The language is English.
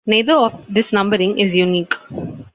Neither of this numbering is unique.